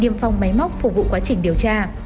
niêm phong máy móc phục vụ quá trình điều tra